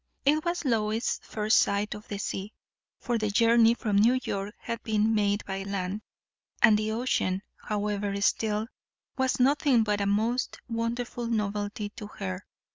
It was Lois's first sight of the sea, for the journey from New York had been made by land; and the ocean, however still, was nothing but a most wonderful novelty to her.